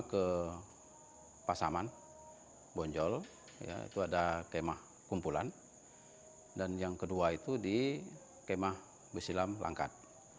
ke pasaman bonjol itu ada kemah kumpulan dan yang kedua itu di kemah besilam langkat